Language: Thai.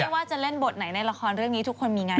ไม่ว่าจะเล่นบทไหนในราคอญเรื่องนี้ทุกคนมีงานได้หมด